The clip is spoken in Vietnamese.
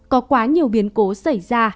có quá nhiều biến cố xảy ra